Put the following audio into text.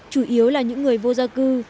chủ yếu là những người vô gia cư